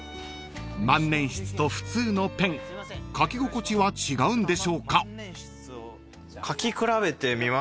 ［万年筆と普通のペン書き心地は違うんでしょうか？］